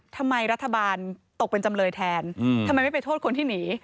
ทำไมรัฐบาลตกเป็นจำเลยแทนทำไมไม่ไปโทษคนที่หนี